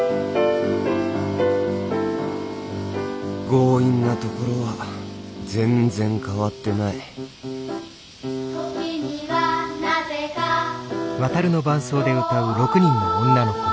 強引なところは全然変わってない「ときにはなぜか大空に」